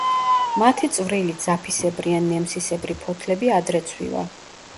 მათი წვრილი, ძაფისებრი ან ნემსისებრი ფოთლები ადრე ცვივა.